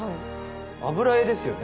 油絵ですよね？